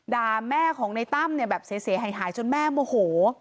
ด่าแม่ของในตั้มเนี่ยแบบเสียหายจนแม่โมโห